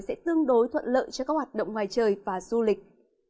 sẽ tương đối thuận lợi cho các hoạt động ngoài trời và du lịch